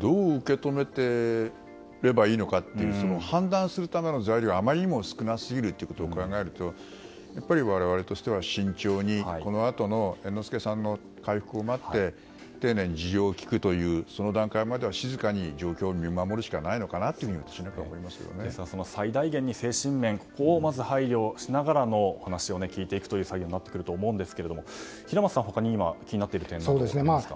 どう受け止めればいいのかと判断するための材料があまりにも少なすぎることを考えると我々としては、慎重にこのあとの猿之助さんの回復を待って丁寧に事情を聴くという段階までは静かに状況を見守るしかないのかなと最大限に精神面をまず配慮しながら話を聞いていく作業になっていくと思うんですけれども平松さん、他に気になっている点はありますか。